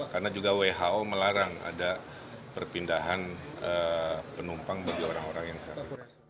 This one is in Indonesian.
karena juga who melarang ada perpindahan penumpang bagi orang orang yang ke sini